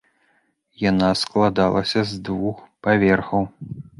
Яна складалася з двух паверхаў.